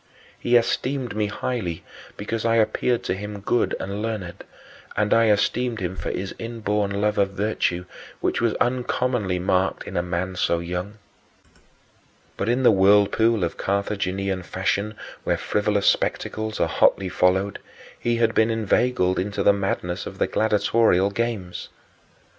He esteemed me highly because I appeared to him good and learned, and I esteemed him for his inborn love of virtue, which was uncommonly marked in a man so young. But in the whirlpool of Carthaginian fashion where frivolous spectacles are hotly followed he had been inveigled into the madness of the gladiatorial games.